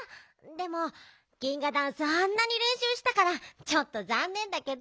でもギンガダンスあんなにれんしゅうしたからちょっとざんねんだけど。